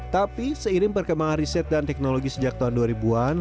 tapi seiring perkembangan riset dan teknologi sejak tahun dua ribu an